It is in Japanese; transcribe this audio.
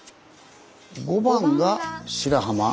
５番が白浜。